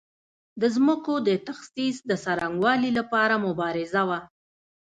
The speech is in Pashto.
د ځمکو د تخصیص د څرنګوالي لپاره مبارزه وه.